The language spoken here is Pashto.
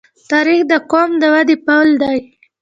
تاریخ د قوم د ودې پل دی.